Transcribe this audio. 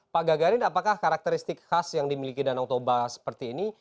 pak gagarin apakah karakteristik khas yang dimiliki danau toba seperti ini